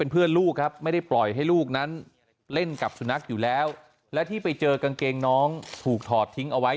ที่ปล่อยให้ลูกนั้นเล่นกับสูนักอยู่แล้วและที่ไปเจอกางเกงน้องถูกถอดทิ้งเอาไว้